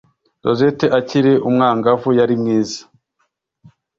rosette akiri umwangavu yari mwiza,